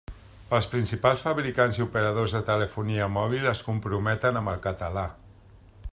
Els principals fabricants i operadors de telefonia mòbil es comprometen amb el català.